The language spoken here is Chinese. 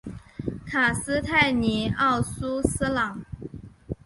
卡斯泰尼奥苏斯朗。